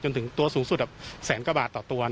ถึงตัวสูงสุดแสนกว่าบาทต่อตัว